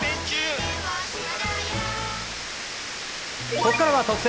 ここからは特選！！